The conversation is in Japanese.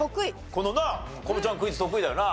このな『コボちゃん』クイズ得意だよな。